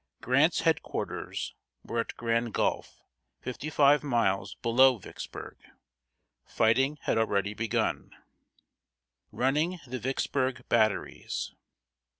Grant's head quarters were at Grand Gulf, fifty five miles below Vicksburg. Fighting had already begun. [Sidenote: RUNNING THE VICKSBURG BATTERIES.